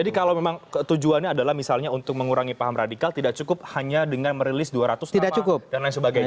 jadi kalau memang tujuannya adalah misalnya untuk mengurangi paham radikal tidak cukup hanya dengan merilis dua ratus tambahan